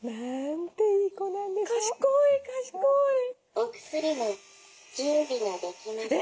「お薬の準備ができました」。